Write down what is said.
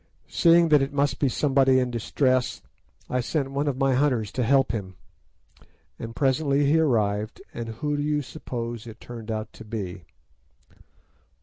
Seeing that it must be somebody in distress, I sent one of my hunters to help him, and presently he arrived, and who do you suppose it turned out to be?"